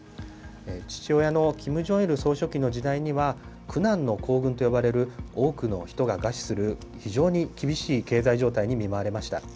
父親のキム・ジョンイル総書記の時代には、苦難の行軍と呼ばれる、多くの人が餓死する、非常に厳しい経済状態に見舞われました。